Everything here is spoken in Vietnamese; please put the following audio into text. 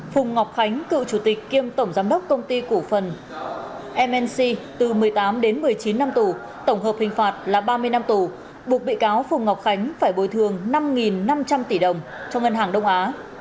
phùng ngọc khánh cựu chủ tịch kiêm tổng giám đốc công ty cổ phần mc từ một mươi tám đến một mươi chín năm tù tổng hợp hình phạt là ba mươi năm tù buộc bị cáo phùng ngọc khánh phải bồi thường năm năm trăm linh tỷ đồng cho ngân hàng đông á